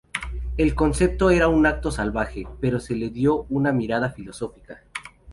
El concepto era un acto salvaje, pero se le dio una mirada filosófica.